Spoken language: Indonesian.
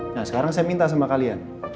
nah sekarang saya minta sama kalian